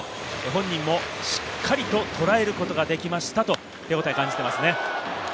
本人もしっかりととらえることができましたと手応えを感じています。